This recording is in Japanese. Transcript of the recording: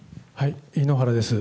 井ノ原です。